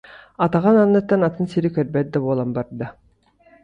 Атаҕын анныттан атын сири көрбөт да буолан барда